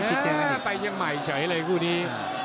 นี่ไปเชียงใหม่เฉยเลยคู่นี้